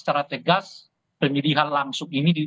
secara tegas pemilihan langsung ini